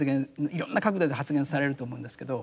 いろんな角度で発言されると思うんですけど。